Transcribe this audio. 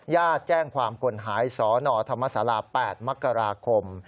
แจ้งความคนหายสนธรรมศาลา๘มกราคม